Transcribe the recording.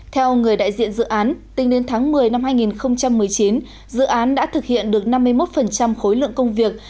theo người đại diện dự án tính đến tháng một mươi năm hai nghìn một mươi chín dự án đã thực hiện được năm mươi một khối lượng công việc